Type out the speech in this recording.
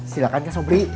silakan kak sobri